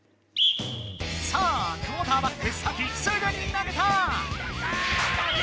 さあクオーターバックサキすぐに投げた！